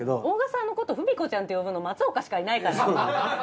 大賀さんのこと文子ちゃんって呼ぶの松岡しかいないからね。